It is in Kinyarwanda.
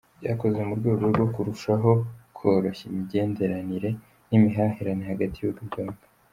Byakozwe mu rwego rwo kurushaho koroshya imigenderanire n’imihahiranire hagati y’ibihugu byombi.